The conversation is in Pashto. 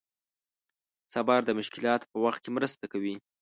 صبر د مشکلاتو په وخت کې مرسته کوي.